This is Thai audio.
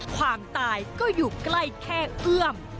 ความตายก็อยู่ใกล้แค่เอื้อม